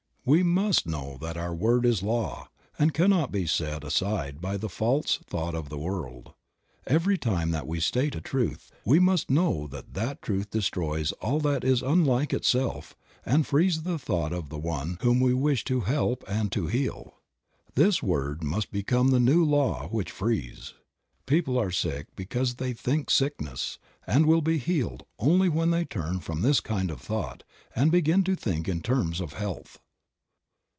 We must know that our word is law, and cannot be set aside by the false thought of the world. Every time that we state a truth, we must know that that truth destroys all that is unlike itself and frees the thought of the one whom we wish to help and to heal. This word must become the new Law which frees. People are sick because they think sickness and will be healed only when they turn from this kind of thought and begin to think in terms of health.